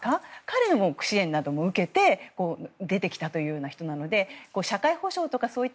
彼の支援なども受けて出てきたというような人